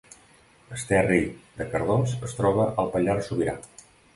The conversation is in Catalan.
Esterri de Cardós es troba al Pallars Sobirà